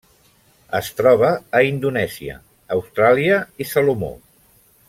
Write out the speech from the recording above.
Es troba a Indonèsia, Austràlia i Salomó.